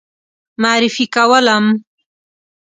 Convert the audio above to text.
معرفي کولم.